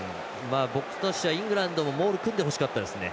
僕としてはイングランドもモールを組んでほしかったですね。